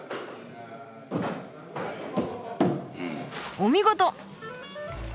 お見事！